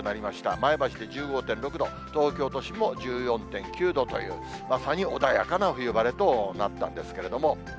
前橋で１５．６度、東京都心も１４．９度という、まさに穏やかな冬晴れとなったんですけれども。